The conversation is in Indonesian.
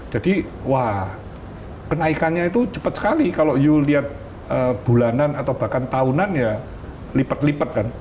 jadi wah kenaikannya itu cepat sekali kalau you lihat bulanan atau bahkan tahunan ya lipet lipet kan